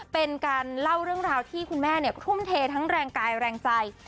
เป็นการเล่าเรื่องราวที่คุณแม่ทุ่มเททั้งแรงกายแรงใจ